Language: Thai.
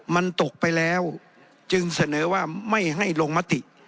มันตกไปแล้วจึงเสนอว่าไม่ให้ลงมติ